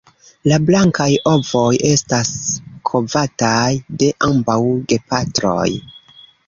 La blankaj ovoj estas kovataj de ambaŭ gepatroj.